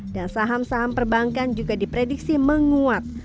dan saham saham perbankan juga diprediksi menguat